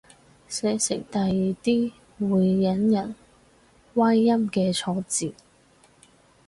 寫成第二啲會引人歪音嘅錯字